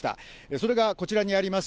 それがこちらにあります